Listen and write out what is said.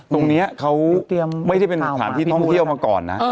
ตรงนี้เขาไม่ได้เป็นสถานที่ท่องเที่ยวมาก่อนนะ